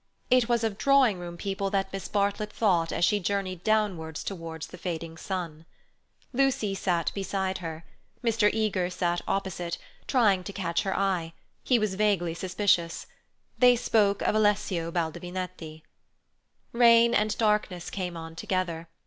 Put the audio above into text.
It was of drawing room people that Miss Bartlett thought as she journeyed downwards towards the fading sun. Lucy sat beside her; Mr. Eager sat opposite, trying to catch her eye; he was vaguely suspicious. They spoke of Alessio Baldovinetti. Rain and darkness came on together.